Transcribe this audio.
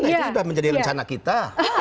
dan itu sudah menjadi rencana kita